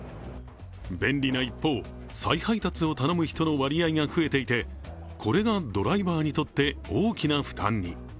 便利な一方、再配達を頼む人の割合が増えていてこれがドライバーにとって大きな負担に。